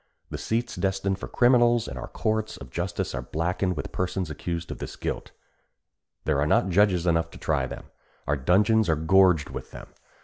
The seats destined for criminals in our courts of justice are blackened with persons accused of this guilt. There are not judges enough to try them. Our dungeons are gorged with them.